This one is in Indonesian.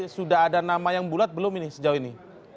sudah ada nama yang bulat belum ini sejauh ini